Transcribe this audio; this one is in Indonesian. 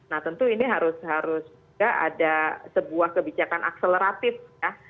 nah tentu ini harus juga ada sebuah kebijakan akseleratif ya